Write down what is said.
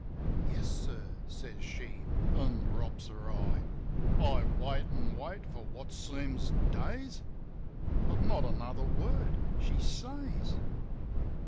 "Yes, sir," says she, an' drops her eye. ... I wait, an' wait for what seems days; But not another word she says.